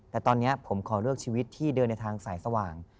แต่ตอนนี้ผมขอเลือกชีวิตที่เดินในทางสายสว่าง